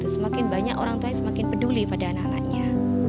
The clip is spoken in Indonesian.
semakin banyak orang tua yang semakin peduli pada anak anaknya